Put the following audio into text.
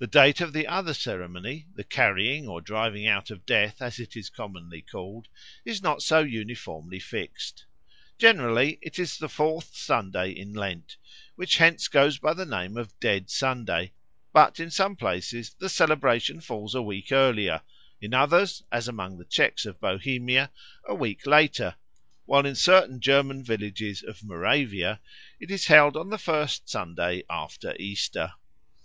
The date of the other ceremony the Carrying or Driving out of Death, as it is commonly called is not so uniformly fixed. Generally it is the fourth Sunday in Lent, which hence goes by the name of Dead Sunday; but in some places the celebration falls a week earlier, in others, as among the Czechs of Bohemia, a week later, while in certain German villages of Moravia it is held on the first Sunday after Easter.